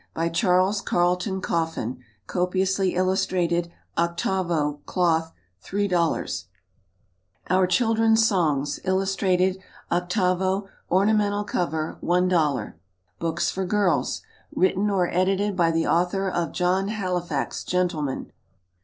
By CHARLES CARLETON COFFIN. Copiously Illustrated. 8vo, Cloth, $3.00. Our Children's Songs. Illustrated. 8vo, Ornamental Cover, $1.00. Books for Girls. Written or Edited by the Author of "John Halifax, Gentleman."